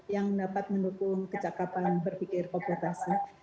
yang dapat mendukung kecakapan berpikir komputasi